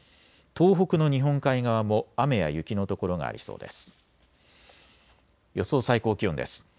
東北の日本海側も雨や雪の所がありそうです。